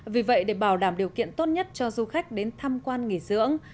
vì vậy để bảo đảm điều kiện tốt nhất cho du khách đến tham quan nghỉ dưỡng